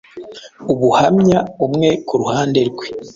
ubuhamya umwe ku ruhande rwe